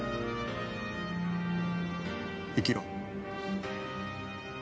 生きろ。